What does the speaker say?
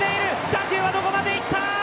打球はどこまで行くか！？